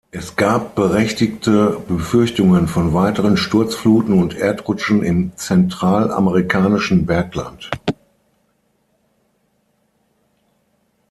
Es gab berechtigte Befürchtungen von weiteren Sturzfluten und Erdrutschen im zentralamerikanischen Bergland.